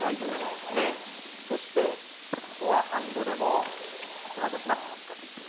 そして、フォアハンドでも、このあときます。